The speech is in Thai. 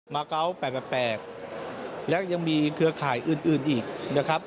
เกาะ๘๘และยังมีเครือข่ายอื่นอีกนะครับ